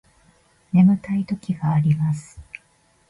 眠たい時があります